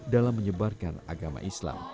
dalam menyebarkan agama islam